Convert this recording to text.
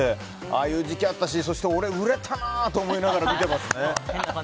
ああいう時期あったし俺売れたなと思いながら見てますね。